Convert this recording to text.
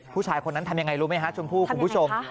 ผู้ชายคนนั้นทำยังไงรู้ไหมฮะชมพู่คุณผู้ชม